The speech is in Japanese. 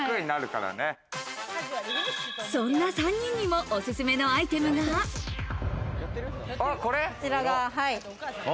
そんな３人にもおすすめのアこちらが。